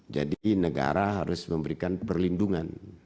jadi negara harus memberikan perlindungan